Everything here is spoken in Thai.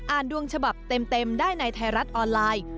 ดวงฉบับเต็มได้ในไทยรัฐออนไลน์